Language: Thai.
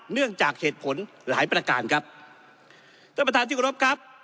เนื่องจากเหตุผลหลายประการครับท่านประธานที่กรบครับ